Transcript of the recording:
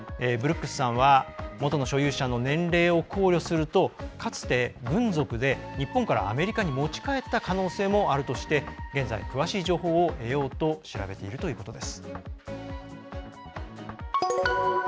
ブルックスさんはもとの所有者の年齢を考慮するとかつて軍属で日本からアメリカに持ち帰った可能性もあるとして現在、詳しい情報を得ようと調べているということです。